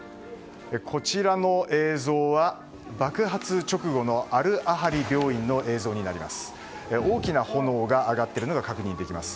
こちらの映像は爆発直後のアル・アハリ病院の映像です。